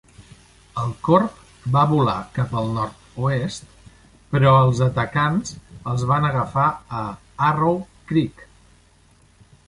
El corb va volar cap al nord-oest, però els atacants els van agafar a Arrow Creek.